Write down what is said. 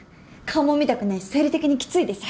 顔も見たくないし生理的にきついです。